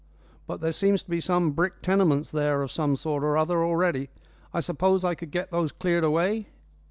But there seems to be some brick tenements there of some sort or other already. I suppose I could get those cleared away?"